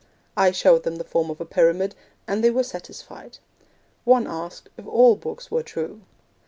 I showed them the form of a pyramid, and they were satisfied. One asked if all books were true.